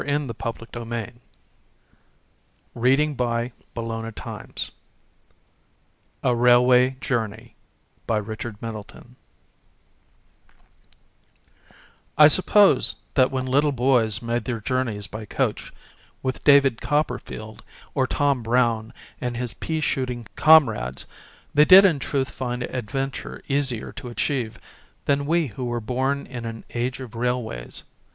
If this should ever meet his eyes he will understand. A RAILWAY JOURNEY I SUPPOSE that when little boys made their journeys by coach with David Copperfield or Tom Brown and his pea shooting com rades they did in truth find adventure easier to achieve than we who were born in an age of railways.